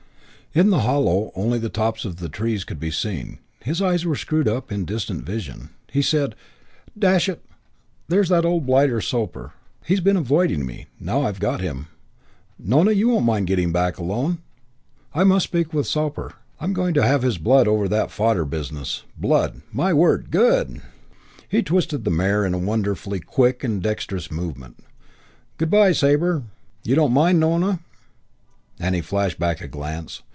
In the hollow only the tops of the trees could be seen. His eyes were screwed up in distant vision. He said, "Dash it, there's that old blighter Sooper. He's been avoiding me. Now I've got him. Nona, you won't mind getting back alone? I must speak to Sooper. I'm going to have his blood over that fodder business. Blood! My word! Good!" He twisted the mare in a wonderfully quick and dexterous movement. "Good by, Sabre. You don't mind, Nona?" And he flashed back a glance.